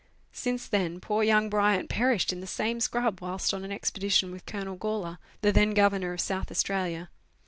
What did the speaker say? Since then, poor young Bryant perished in the same scrub whilst on an expedition with Colonel Gawler, the then Governor of South Australia.